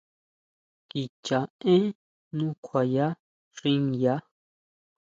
Kicha én nukjuaya xinguia.